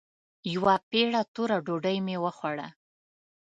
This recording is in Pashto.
يوه پېړه توره ډوډۍ مې وخوړه.